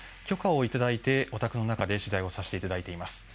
許可をいただいて、お宅の中で取材をさせていただいています。